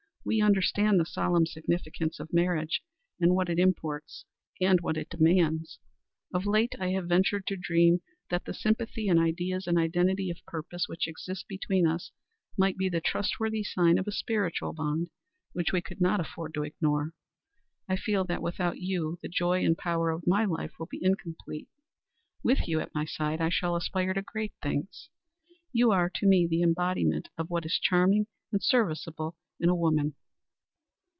We understand the solemn significance of marriage; what it imports and what it demands. Of late I have ventured to dream that the sympathy in ideas and identity of purpose which exist between us might be the trustworthy sign of a spiritual bond which we could not afford to ignore. I feel that without you the joy and power of my life will be incomplete. With you at my side I shall aspire to great things. You are to me the embodiment of what is charming and serviceable in woman."